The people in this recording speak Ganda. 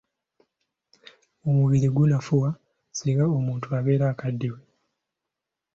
Omubiri gunafuwa singa omuntu abeera akaddiye.